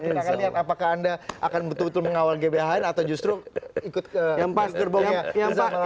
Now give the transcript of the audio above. kita akan lihat apakah anda akan betul betul mengawal gban atau justru ikut ke